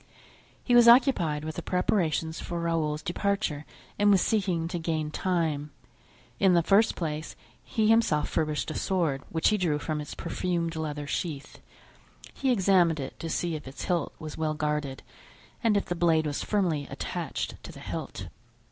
He was occupied with the preparations for Raoul's departure and was seeking to gain time. In the first place he himself furbished a sword, which he drew from its perfumed leather sheath; he examined it to see if its hilt was well guarded and if the blade was firmly attached to the hilt.